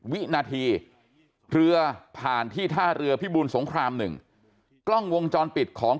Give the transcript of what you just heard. วินาทีเรือผ่านที่ท่าเรือพิบูลสงครามหนึ่งกล้องวงจรปิดของ